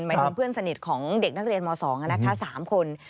หมายถึงเพื่อนสนิทของเด็กนักเรียนม๒๓คน